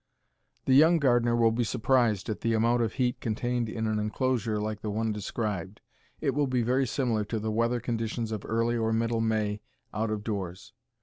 The young gardener will be surprised at the amount of heat contained in an inclosure like the one described. It will be very similar to the weather conditions of early or middle May out of doors.